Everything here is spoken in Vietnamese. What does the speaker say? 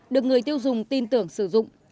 được người tiêu dùng tin tưởng sử dụng